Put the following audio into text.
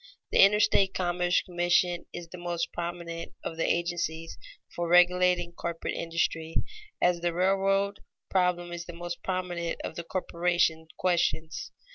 _ The Interstate Commerce Commission is the most prominent of the agencies for regulating corporate industry, as the railroad problem is the most prominent of the corporation questions.